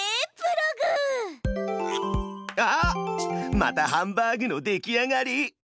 またハンバーグのできあがり！